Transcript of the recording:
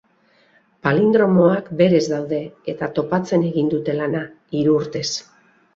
Palindromoak berez daude eta topatzen egin dute lana, hiru urtez.